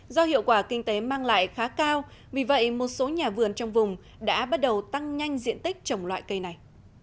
do hiệu quả kinh tế mang lại khá cao vì vậy một số nhà vườn trong vùng đã bắt đầu tăng nhanh diện tích trồng loại cây này